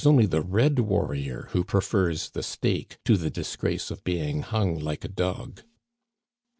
185 the red warrior who prefers the stake to the disgrace of being hung like a dog."